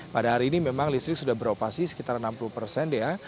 pada hari ini memang listrik sudah beroperasi sekitar enam puluh persen ya